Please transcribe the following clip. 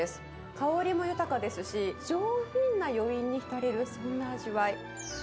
香りも豊かですし、上品な余韻に浸れる、そんな味わい。